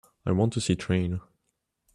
I want to see Train